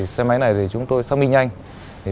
xe máy này chúng tôi xác minh nhanh